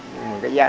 nhưng mà cái giá